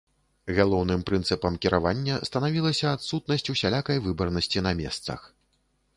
Галоўным прынцыпам кіравання станавілася адсутнасць усялякай выбарнасці на месцах.